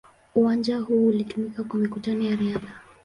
Uwanja huo pia hutumiwa kwa mikutano ya riadha.